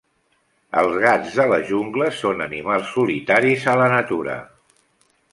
Els gats de la jungla són animals solitaris a la natura.